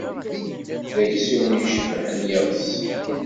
D aksum i icebbḥen iɣes.